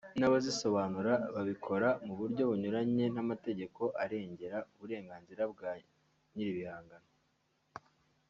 n'abazisobanura babikora mu buryo bunyuranye n’amategeko arengera uburenganzira bwa ba nyiribihangano